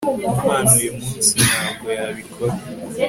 umwana uyumunsi ntabwo yabikora